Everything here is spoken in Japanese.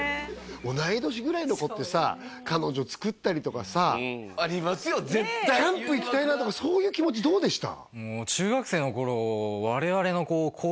同い年ぐらいの子ってさ彼女作ったりとかさありますよ絶対誘惑がキャンプ行きたいなとかそういう気持ちどうでした？